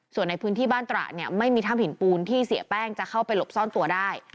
ส่วนในพื้นที่บ้านตระเนี่ยไม่มีถ้ำหินปูนที่เสียแป้งจะเข้าไปหลบซ่อนตัวได้